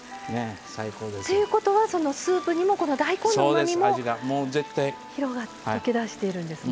ということはそのスープにもこの大根のうまみも溶け出しているんですね。